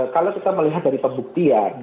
kalau kita melihat dari pembuktian